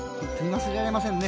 忘れられませんね。